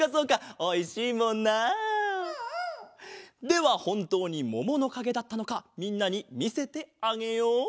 ではほんとうにもものかげだったのかみんなにみせてあげよう。